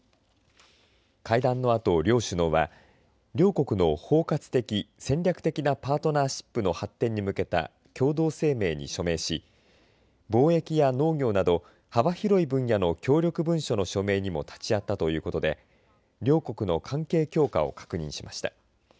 会談のあと両首脳は両国の包括的、戦略的なパートナーシップの発展に向けた共同声明に署名し貿易や農業など、幅広い分野の協力文書の署名にも立ち会ったということで両国の関係強化を確認しました。